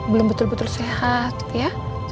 belum betul betul sehat